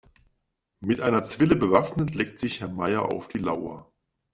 Mit einer Zwille bewaffnet legt sich Herr Meier auf die Lauer.